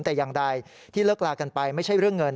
แต่อย่างใดที่เลิกลากันไปไม่ใช่เรื่องเงิน